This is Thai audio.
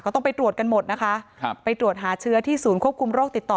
ต้องไปตรวจกันหมดนะคะครับไปตรวจหาเชื้อที่ศูนย์ควบคุมโรคติดต่อ